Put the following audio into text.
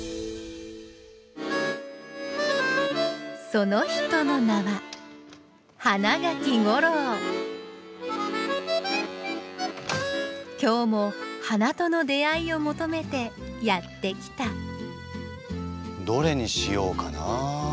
その人の名は今日も花との出会いを求めてやって来たどれにしようかな。